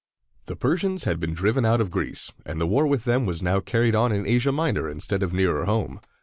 The Persians had been driven out of Greece, and the war with them was now carried on in Asia Minor instead of nearer home.